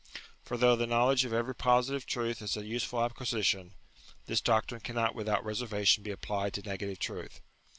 For, though the know ledge of every positive truth is an useful acquisition, this doctrine cannot without reservation be applied to negative truth.